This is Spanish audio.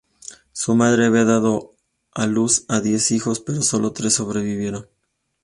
Su madre había dado a luz diez hijos, pero solo tres sobrevivieron.